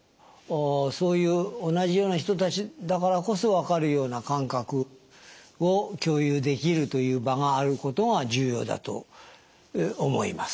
そういう同じような人たちだからこそわかるような感覚を共有できるという場があることが重要だと思います。